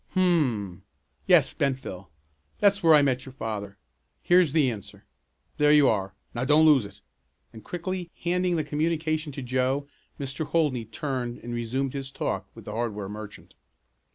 "Hum! Yes, Bentville. That's where I met your father. Here's the answer. There you are. Now don't lose it," and quickly handing the communication to Joe, Mr. Holdney turned and resumed his talk with the hardware merchant.